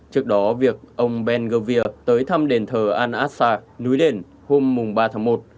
trước đó việc ông ben govir tới thăm đền thờ al aqsa núi đền hôm ba tháng một